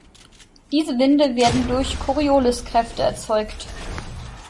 Diese Winde werden durch Corioliskräfte erzeugt.